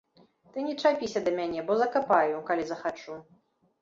Ты не чапіся да мяне, бо закапаю, калі захачу.